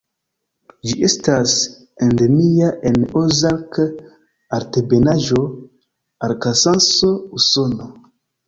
Ĝi estas endemia en Ozark-Altebenaĵo, Arkansaso, Usono.